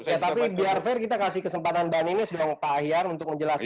ya tapi biar fair kita kasih kesempatan mbak ninis pak akhyar untuk menjelaskan itu